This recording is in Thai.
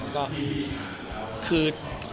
คือ